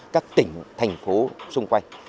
các tỉnh thành phố xung quanh